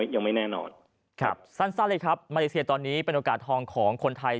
ยังไม่แน่นอนครับสั้นเลยครับมาเลเซียตอนนี้เป็นโอกาสทองของคนไทย